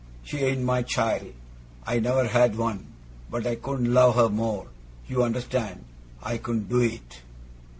She ain't my child; I never had one; but I couldn't love her more. You understand! I couldn't do it!